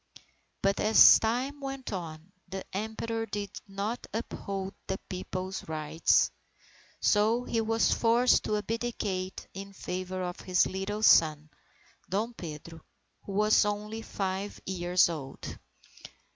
But as time went on, the Emperor did not uphold the People's rights; so he was forced to abdicate in favour of his little son, Dom Pedro, who was only five years old.